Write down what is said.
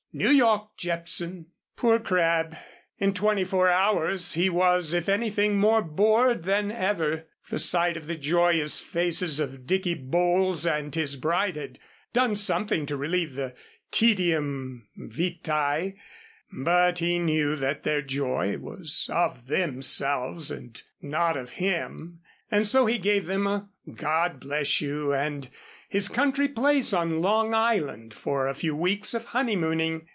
New York, Jepson." Poor Crabb! In twenty four hours he was, if anything, more bored than ever. The sight of the joyous faces of Dicky Bowles and his bride had done something to relieve the tedium vitæ, but he knew that their joy was of themselves and not of him, and so he gave them a "God bless you" and his country place on Long Island for a few weeks of honeymooning.